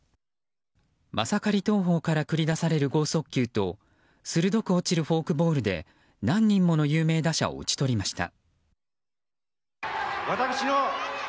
マサカリ投法から繰り出される豪速球と鋭く落ちるフォークボールで何人もの有名打者を打ち取りました。